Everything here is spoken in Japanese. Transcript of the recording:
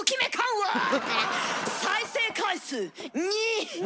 再生回数２。